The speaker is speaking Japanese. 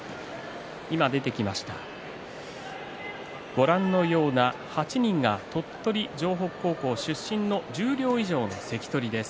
ご覧のような８人が鳥取城北高校出身の十両以上の関取です。